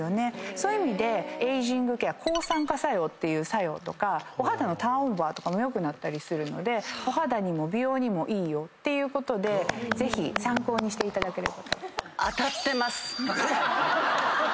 そういう意味でエイジングケア抗酸化作用っていう作用とかお肌のターンオーバーとかも良くなったりするのでお肌にも美容にもいいよっていうことでぜひ参考にしていただければと。